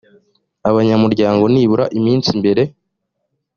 abanyamuryango nibura iminsi mbere